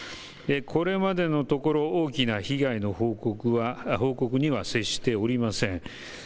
これまでのところ大きな被害の報告には接しておりません。